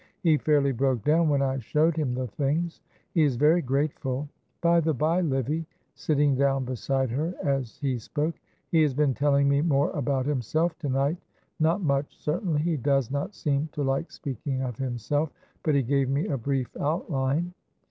He fairly broke down when I showed him the things. He is very grateful; by the bye, Livy," sitting down beside her as he spoke, "he has been telling me more about himself to night; not much, certainly, he does not seem to like speaking of himself, but he gave me a brief outline.